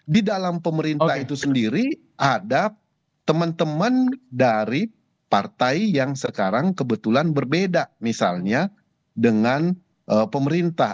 di dalam pemerintah itu sendiri ada teman teman dari partai yang sekarang kebetulan berbeda misalnya dengan pemerintah